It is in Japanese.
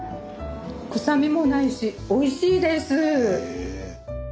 臭みもないしおいしいです！